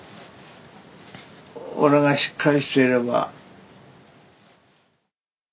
俺がしっかりしていれば。